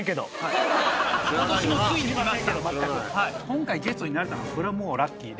今回ゲストになれたのはこれはもうラッキー。